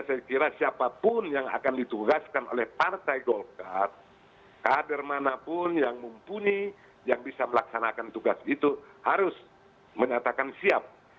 saya kira siapapun yang akan ditugaskan oleh partai golkar kader manapun yang mumpuni yang bisa melaksanakan tugas itu harus menyatakan siap